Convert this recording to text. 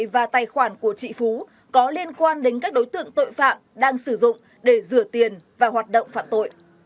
và tài khoản của chị phú có liên quan đến các đối tượng tội phạm đang sử dụng để rửa tiền và hoạt động phạm tội